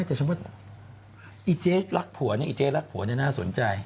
แต่สมมุติอีเจ๊รักผัวเนี่ยอีเจ๊รักผัวเนี่ยน่าสนใจ